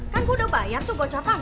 kan gue udah bayar tuh gocapan